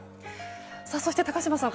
そして、高島さん